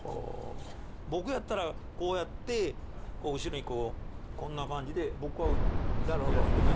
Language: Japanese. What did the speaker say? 僕やったらこうやって後ろにこうこんな感じで僕は好きやねんけどね。